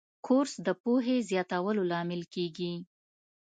کورس د پوهې زیاتولو لامل کېږي.